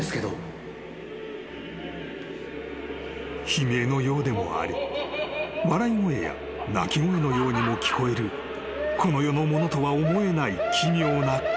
［悲鳴のようでもあり笑い声や泣き声のようにも聞こえるこの世のものとは思えない奇妙な声］